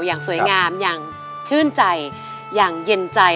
อย่างสวยงามอย่างชื่นใจอย่างเย็นใจ